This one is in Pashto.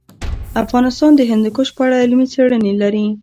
افغانستان د هندوکش په اړه علمي څېړنې لري.